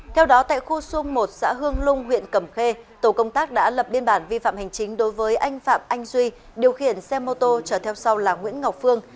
theo đó tại khu xuông một xã hương lung huyện cẩm khê tổ công tác đã lập biên bản vi phạm hành chính đối với anh phạm anh duy điều khiển xe mô tô trở theo sau là nguyễn ngọc phương